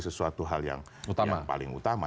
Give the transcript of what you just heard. sesuatu hal yang paling utama